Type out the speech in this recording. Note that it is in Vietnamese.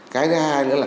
cái thứ hai nữa là